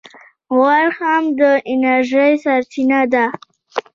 غوړ هم د انرژۍ سرچینه ده